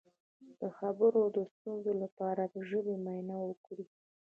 د خبرو د ستونزې لپاره د ژبې معاینه وکړئ